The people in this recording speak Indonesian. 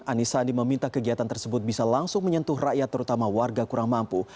anies sandi meminta kegiatan tersebut bisa langsung menyentuh rakyat terutama warga kurang mampu